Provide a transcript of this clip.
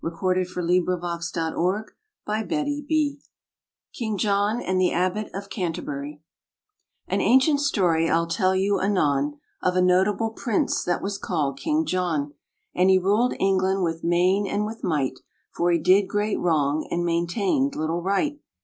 Author Unknown (227] RAINBOW GOLD KING JOHN AND THE ABBOT OF CANTERBURY AN ancient story I'll tell you anon Of a notable prince that was called King John; And he ruled England with main and with might, For he did great wrong, and maintained little right.